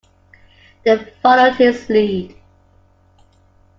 They followed his lead.